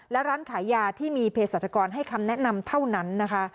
และร้านขายยาที่มีเพศรัชกรให้คำแนะนำเท่านั้นนะคะ